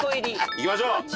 いきましょう！